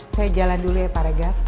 saya jalan dulu ya pak regaf